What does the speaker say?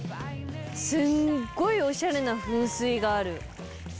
すんごいおしゃれな噴水がある。